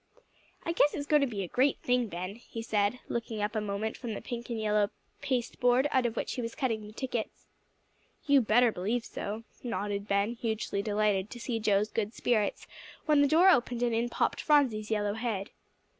"I guess it's going to be a great thing, Ben," he said, looking up a moment from the pink and yellow pasteboard out of which he was cutting the tickets. "You better believe so," nodded Ben, hugely delighted to see Joe's good spirits, when the door opened, and in popped Phronsie's yellow head.